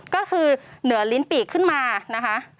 ก็คือเหนือลิ้นปีกขึ้นมานะคะ